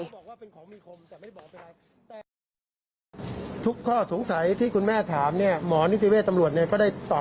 แล้วก็ไม่พบว่ามีการฟันหัดตามที่เป็นข่าวทางโซเชียลก็ไม่พบ